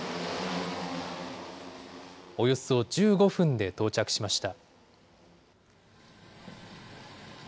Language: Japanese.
およそ１５分で到着しました。